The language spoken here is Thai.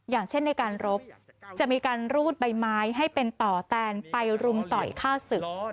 อย่างเช่นในการรบจะมีการรูดใบไม้ให้เป็นต่อแตนไปรุมต่อยฆ่าศึก